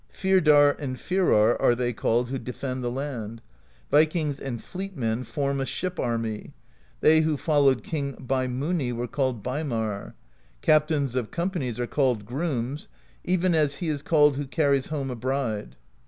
Fyr dar^ and Firar^ are they called who defend the land. Vi kings and fleet men form a ship army. They who followed King Beimuni were called Beimar.^ Captains of companies are called Grooms, even as he is called who carries home a bride.